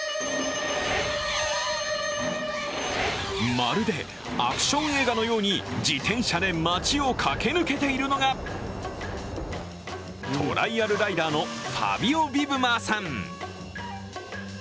まるでアクション映画のように自転車で町を駆け抜けているのがトライアルライダーのファビオ・ヴィブマーさん。